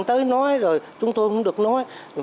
tới nói rồi chúng tôi cũng được nói